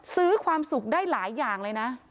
ซื้อความสุขได้หลายอย่างเลยนะ